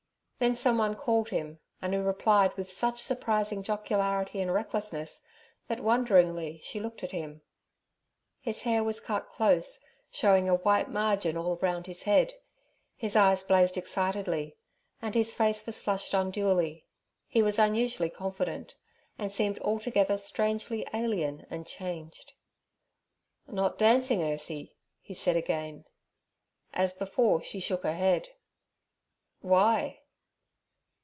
Then someone called him, and he replied with such surprising jocularity and recklessness that wonderingly she looked at him. His hair was cut close, showing a white margin all round his head; his eyes blazed excitedly, and his face was flushed unduly. He was unusually confident, and seemed altogether strangely alien and changed. 'Not dancing, Ursie?' he said again. As before, she shook her head. 'Why?'